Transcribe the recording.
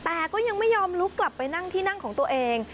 แต่ก็ยังไม่ยอมลุกกลับไปนั่งที่นั่งของตัวเอง